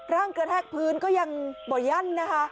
กระแทกพื้นก็ยังบ่อยั่นนะคะ